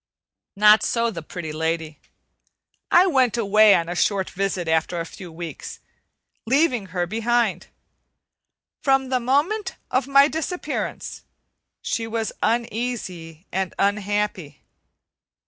Not so, the Pretty Lady. I went away on a short visit after a few weeks, leaving her behind. From the moment of my disappearance she was uneasy and unhappy.